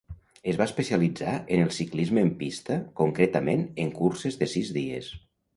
Es va especialitzar en el ciclisme en pista concretament en curses de sis dies.